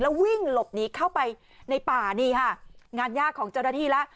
วิ่งหลบหนีเข้าไปในป่านี่ค่ะงานยากของเจ้าหน้าที่แล้ว